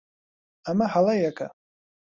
ئەمە هەڵەیەکە.